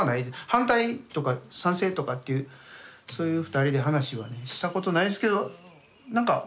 反対とか賛成とかっていうそういう２人で話はねしたことないですけど何か。